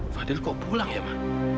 fadil kok pulang ya pak